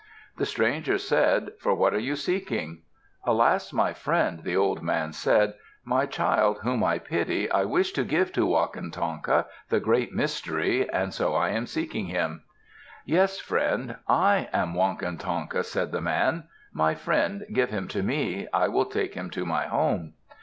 The stranger said, "For what are you seeking?" "Alas, my friend," the old man said, "my child, whom I pity, I wish to give to Wakantanka, the Great Mystery, and so I am seeking him." "Yes, friend. I am Wakantanka," said the man. "My friend, give him to me. I will take him to my home."